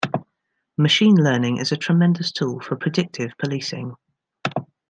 Machine learning is a tremendous tool for predictive policing.